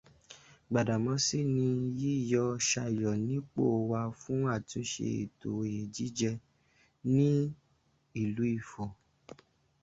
Gbàdàmọ́sí ni yíyọ Ṣayọ̀ nípò wà fún àtúnṣe ètò oyè jíjẹ ní ìlú Ifọ̀.